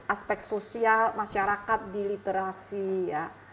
aspek sosial masyarakat di literasi ya